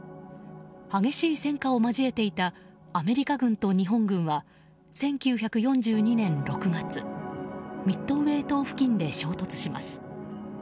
激しい戦火を交えていたアメリカ軍と日本軍は１９４２年６月ミッドウェー島付近で衝突します。